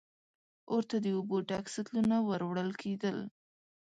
اور ته د اوبو ډک سطلونه ور وړل کېدل.